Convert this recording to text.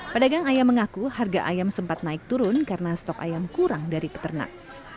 pedagang ayam mengaku harga ayam sempat naik turun karena stok ayam kurang dari peternak